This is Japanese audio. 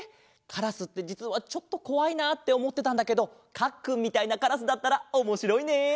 カラスってじつはちょっとこわいなっておもってたんだけどかっくんみたいなカラスだったらおもしろいね。